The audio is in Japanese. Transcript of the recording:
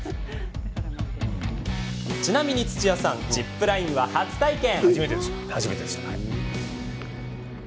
ちなみに、土屋さんジップラインは初体験。